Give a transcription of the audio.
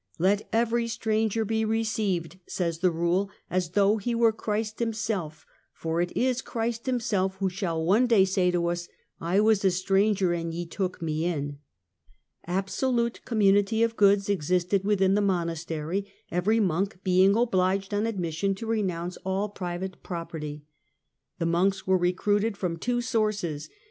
" Let every stranger be received," says the rule, " as though he were Christ Himself, for it is Christ Himself who shall one day say to us, ' I was a stranger, and ye took Me in '." Absolute community of goods existed within the monastery, every monk being obliged, on admission, to renounce all private property. The monks were recruited from two sources.